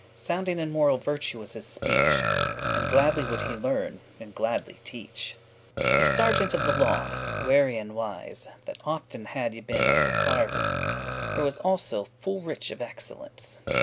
Sounding in moral virtue was his speech, And gladly would he learn, and gladly teach. A SERGEANT OF THE LAW, wary and wise, That often had y been at the Parvis, <26> There was also, full rich of excellence.